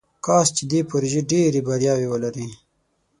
کاش چې دې پروژې ډیرې بریاوې ولري.